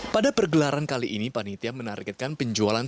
pada pergelaran kali ini panitia menargetkan penjualan